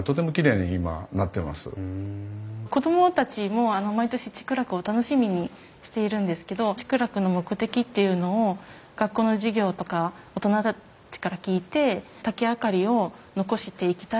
子供たちも毎年竹楽を楽しみにしているんですけど竹楽の目的っていうのを学校の授業とか大人たちから聞いて竹明かりを残していきたい